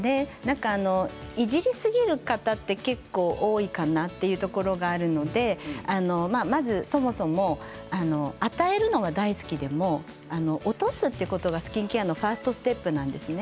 いじりすぎる方って結構多いかなと思うのでそもそも与えるのは大好きでも落とすということがスキンケアのファーストステップなんです。